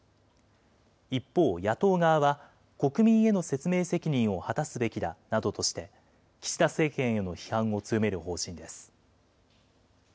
一方、野党側は国民への説明責任を果たすべきだなどとして、岸田政権への批判を強める方針です。